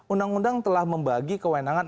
undang undang telah membagi kewenangan